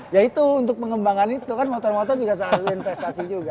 ya itu untuk pengembangan itu kan motor motor juga salah satu investasi juga